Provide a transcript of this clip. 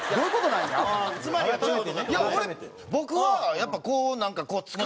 いや僕はやっぱこうなんかつかむ。